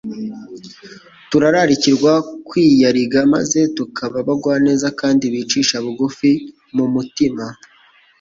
Turararikirwa kwiyariga maze tukaba abagwaneza kandi bicisha bugufi mu mutima.